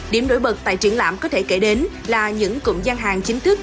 điểm nổi bật tại triển lãm có thể kể đến là những cụm gian hàng chính thức